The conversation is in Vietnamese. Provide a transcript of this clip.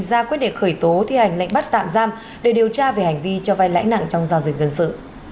ra quyết định khởi tố thi hành lệnh bắt tạm giam để điều tra về hành vi cho vai lãi nặng trong giao dịch dân sự